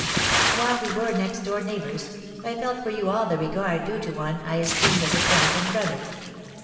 While we were next door neighbours, I felt for you all the regard due to one I esteemed as a friend and brother.